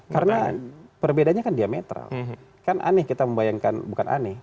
karena perbedaannya kan diametral kan aneh kita membayangkan bukan aneh